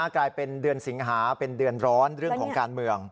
กลายเป็นเดือนสิงหาเป็นเดือนร้อนเรื่องของการเมือง